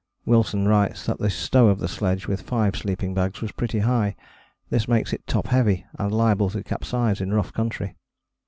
Wilson writes that the stow of the sledge with five sleeping bags was pretty high: this makes it top heavy and liable to capsize in rough country.